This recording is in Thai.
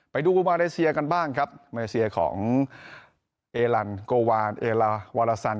ไปดูกุมาเลเซียกันบ้างครับมาเลเซียของเอลันโกวานเอลาวาลาซัน